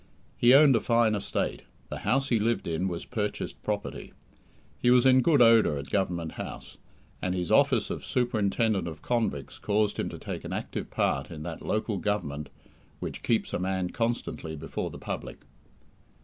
He owned a fine estate; the house he lived in was purchased property. He was in good odour at Government House, and his office of Superintendent of Convicts caused him to take an active part in that local government which keeps a man constantly before the public.